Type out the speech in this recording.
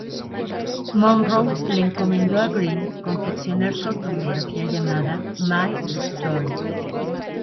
Monroe le encomendó a Greene confeccionar su autobiografía, llamada "My Story".